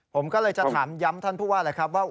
ผมก็เลยจะถามย้ำท่านผู้ว่าแหละครับว่า